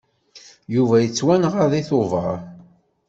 Yuba yettwanɣa deg Tubeṛ.